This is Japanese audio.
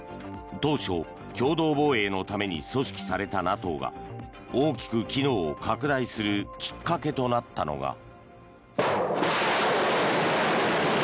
当初、共同防衛のために組織されたＮＡＴＯが大きく機能を拡大するきっかけとなったのが。